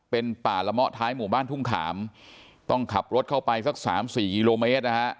เป็นป่าละเมาะท้ายหมู่บ้านทุ่งขามต้องขับรถเข้าไปสักสามสี่กิโลเมตรนะฮะ